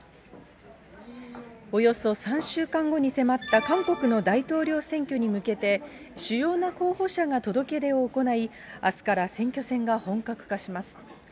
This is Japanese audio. およそ３週間後に迫った韓国の大統領選挙に向けて、主要な候補者が届け出を行い、あすから選挙戦が本格化します。